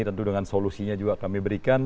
tentu dengan solusinya juga kami berikan